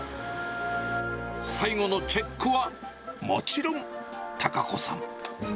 最後のチェックは、もちろん孝子さん。